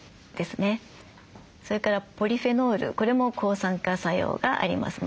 それからポリフェノールこれも抗酸化作用があります。